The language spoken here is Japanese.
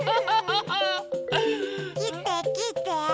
きてきて！